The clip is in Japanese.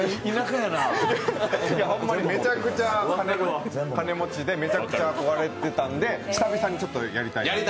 ほんまにめちゃくちゃ金持ちで、めちゃくちゃ買われてたんで久々にやりたい。